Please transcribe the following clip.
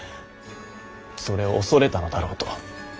それを恐れたのだろうと。